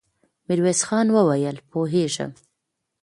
ميرويس خان وويل: پوهېږم.